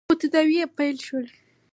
خو تداوې يې پیل شول.